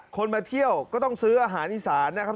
คนมาเที่ยวก็ต้องซื้ออาหารอีสานนะครับ